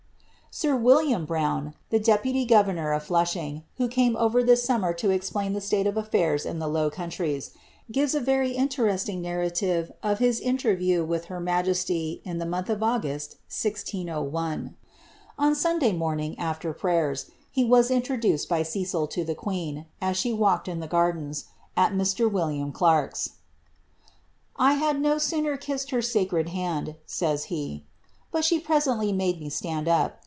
Sr William Brown, the deputy governor of Flushing, who came over lis summer to explain the state of af&irs in the Low Countries, gives a Bry interesting narrative of his interview with her majesty in the month r August, 1601. On Sunday morning, after prayers, he was introduced f C^il to the queen, as she walked in the gardens, at Mr. William larke's.' ^ 1 had no sooner kissed her sacred hand," says he, ^ but le presently made me stand up.